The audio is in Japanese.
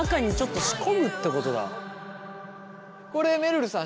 これめるるさん